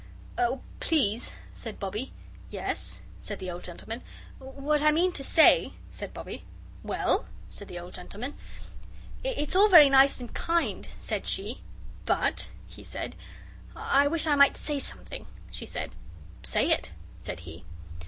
"Oh, please!" said Bobbie. "Yes?" said the old gentleman. "What I mean to say " said Bobbie. "Well?" said the old gentleman. "It's all very nice and kind," said she. "But?" he said. "I wish I might say something," she said. "Say it," said he.